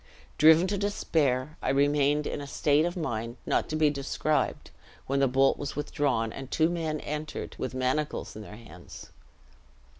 Driven to despair, I remained in a state of mind not to be described, when the bolt was withdrawn, and two men entered, with manacles in their hands.